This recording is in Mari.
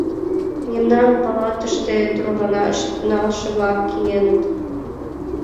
— Мемнан палатыште тӧрланаш тӱҥалше-влак киеныт.